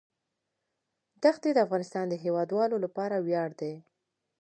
ښتې د افغانستان د هیوادوالو لپاره ویاړ دی.